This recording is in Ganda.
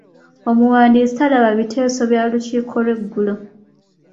Omuwandiisi talaba biteeso bya lukiiko lw'eggulo.